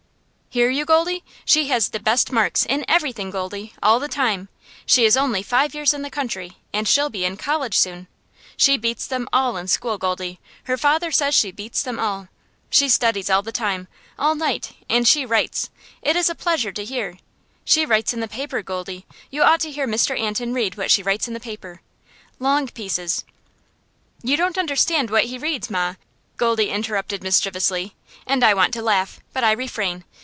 "Hear you, Goldie? She has the best marks, in everything, Goldie, all the time. She is only five years in the country, and she'll be in college soon. She beats them all in school, Goldie her father says she beats them all. She studies all the time all night and she writes, it is a pleasure to hear. She writes in the paper, Goldie. You ought to hear Mr. Antin read what she writes in the paper. Long pieces " "You don't understand what he reads, ma," Goldie interrupts mischievously; and I want to laugh, but I refrain.